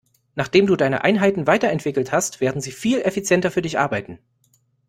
Nachdem du deine Einheiten weiterentwickelt hast, werden sie viel effizienter für dich arbeiten.